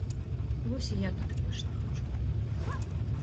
Вось і я туды больш не хачу.